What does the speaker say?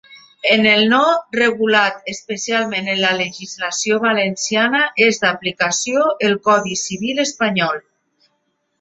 En el no regulat especialment en la legislació valenciana és d'aplicació el Codi civil espanyol.